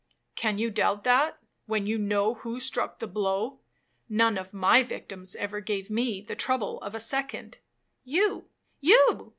'—'Can you doubt that, when you know who struck the blow? None of my victims ever gave me the trouble of a second.'—'You,—you?'